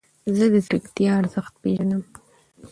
زه د ځیرکتیا ارزښت پیژنم.